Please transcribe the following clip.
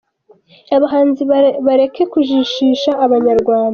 “Abahanzi bareke kujijisha Abanyarwanda”